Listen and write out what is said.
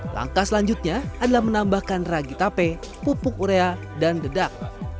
langkah selanjutnya adalah menambahkan ragi tape pupuk urea dan dedak